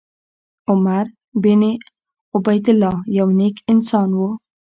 عمر بن عبیدالله یو نېک انسان و.